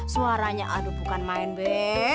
suaranya aduh bukan main b